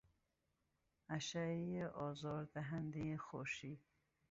اشعهی آزار دهندهی خورشید